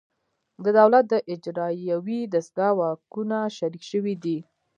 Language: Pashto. د دولت د اجرایوي دستگاه واکونه شریک شوي دي